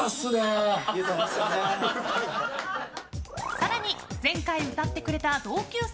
更に前回歌ってくれた同級生